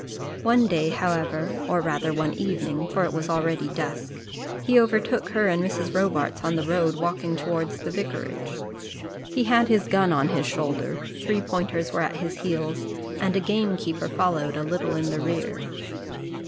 One day, however or rather, one evening, for it was already dusk he overtook her and Mrs. Robarts on the road walking towards the vicarage. He had his gun on his shoulder, three pointers were at his heels, and a gamekeeper followed a little in the rear.